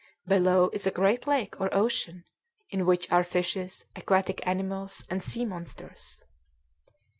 Below is a great lake or ocean, in which are fishes, aquatic animals, and sea monsters.